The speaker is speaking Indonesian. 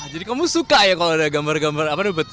gimana ya kalau ada gambar gambar apa tuh